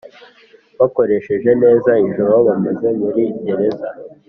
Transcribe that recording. Bakoresheje neza ijoro bamaze muri gereza